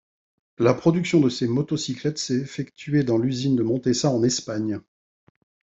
La production de ces motocyclettes s'est effectuée dans l'usine de Montesa en Espagne.